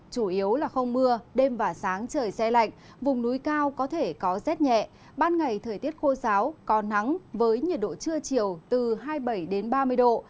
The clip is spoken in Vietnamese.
chủ yếu là không mưa đêm và sáng trời xe lạnh vùng núi cao có thể có rét nhẹ ban ngày thời tiết khô giáo có nắng với nhiệt độ trưa chiều từ hai mươi bảy đến ba mươi độ